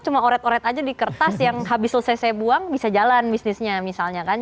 cuma oret oret aja di kertas yang habis selesai saya buang bisa jalan bisnisnya misalnya kan